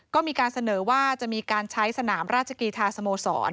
ก็มีการเสนอว่าจะมีการใช้สนามราชกีธาสโมสร